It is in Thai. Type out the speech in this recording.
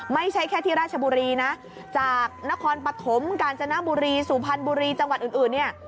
ไม่ใช่แค่ที่ราชบุรีนะจากนครปฐมกาญจนบุรีสุพรรณบุรีจังหวัดอื่นเนี่ย